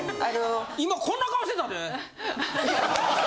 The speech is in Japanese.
今こんな顔してたで。